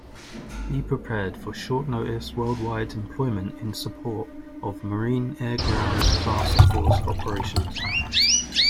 Be prepared for short-notice, worldwide employment in support of Marine Air-Ground Task Force operations.